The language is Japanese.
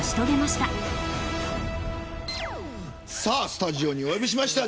スタジオにお呼びしました。